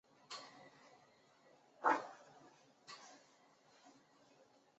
对养乐多有莫名的执着。